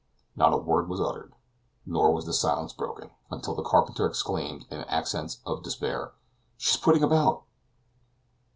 Not a word was uttered, nor was the silence broken, until the carpenter exclaimed, in accents of despair: "She's putting about!"